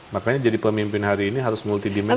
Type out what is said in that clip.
makanya jadi pemimpin hari ini harus multi dimension